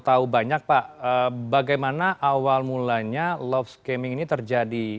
tahu banyak pak bagaimana awal mulanya love scaming ini terjadi